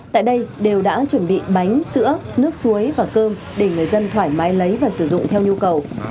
tại đây đều đã chuẩn bị bánh sữa nước suối và cơm để người dân thoải mái lấy và sử dụng theo nhu cầu